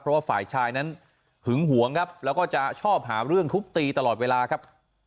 เพราะว่าฝ่ายชายนั้นหึงหวงครับแล้วก็จะชอบหาเรื่องทุบตีตลอดเวลาครับ